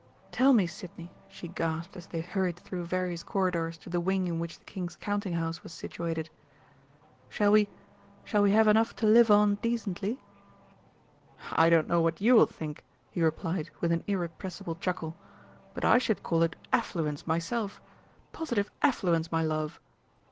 "Tell me, Sidney," she gasped, as they hurried through various corridors to the wing in which the King's Counting house was situated. "Shall we shall we have enough to live on decently?" "I don't know what you will think," he replied, with an irrepressible chuckle, "but I should call it affluence myself positive affluence, my love!"